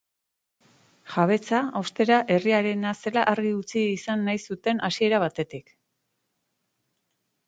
Jabetza, ostera, herriarena zela argi utzi nahi izan zuten hasiera batetik.